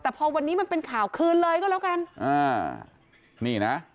แต่พอวันนี้มันเป็นข่าวคืนเลยก็หรอกัน